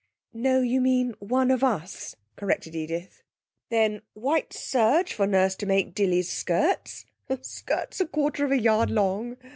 'No, you mean, 'One of us',' corrected Edith. 'Then white serge for nurse to make Dilly's skirts skirts a quarter of a yard long!